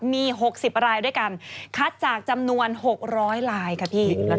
มี๖๐รายด้วยกันคัดจากจำนวน๖๐๐ลายค่ะพี่